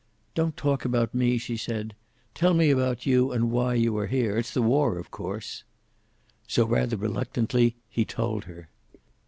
"Don't talk about me," she said. "Tell me about you and why you are here. It's the war, of course." So, rather reluctantly, he told her.